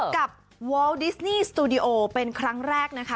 กับวอลดิสนี่สตูดิโอเป็นครั้งแรกนะคะ